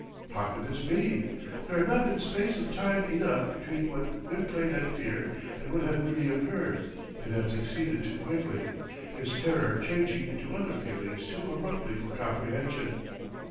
How could this be? There had not been space of time enough between what Gwynplaine had feared and what had really occurred; it had succeeded too quickly his terror changing into other feelings too abruptly for comprehension.